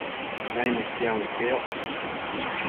Naimëdtiambo iqueyoc